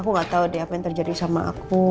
aku nggak tahu deh apa yang terjadi sama aku